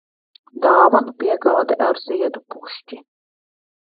Dāvanu piegāde ar ziedu pušķi.